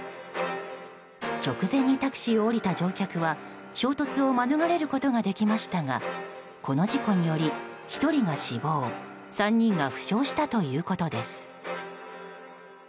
直前にタクシーを降りた乗客は衝突を免れることができましたがこの事故により１人が死亡３人が負傷したということです。